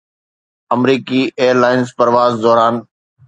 آمريڪي airlines پرواز دوران